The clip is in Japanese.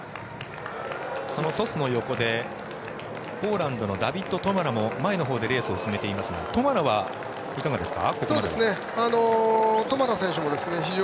そのトスの横でポーランドのダビッド・トマラも前のほうでレースを進めていますがトマラはいかがですか？